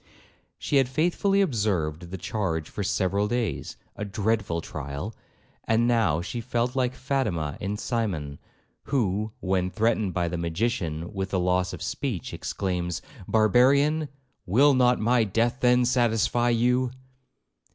She had faithfully observed the charge for several days,—a dreadful trial!—and now she felt like Fatima in Cymon, who, when threatened by the magician with the loss of speech, exclaims, 'Barbarian, will not my death then satisfy you?'